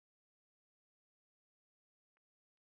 utwuguruzo n‟utwugarizo : dukikiza amagambo y‟undi